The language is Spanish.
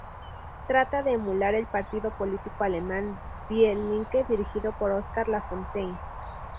Trata de emular el partido político alemán Die Linke, dirigido por Oskar Lafontaine.